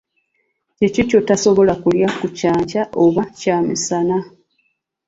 Kiki ky'otasobola kulya ku kyankya oba kyamisana?